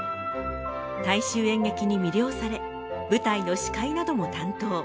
大衆演劇に魅了され舞台の司会なども担当。